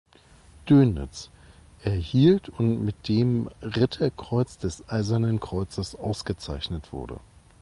Dönitz“" erhielt und mit dem Ritterkreuz des Eisernen Kreuzes ausgezeichnet wurde.